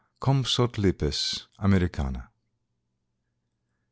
(_Compsothlypis americana.